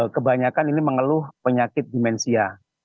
kebanyakan ini mengeluh penyakit dimensia